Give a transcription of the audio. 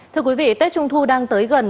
thưa quý vị tết trung thu đang tới gần